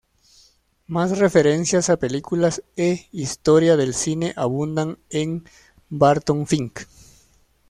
Más referencias a películas e historia del cine abundan en "Barton Fink".